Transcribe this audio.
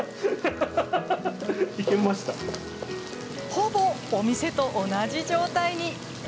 ほぼ、お店と同じ状態に。